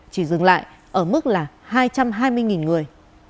chỉ dừng lại ở mức là hai trăm hai mươi người